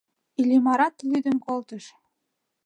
Иллимарат лӱдын колтыш.